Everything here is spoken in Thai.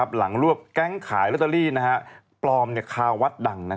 รวบแก๊งขายลอตเตอรี่ปลอมคาวัดดัง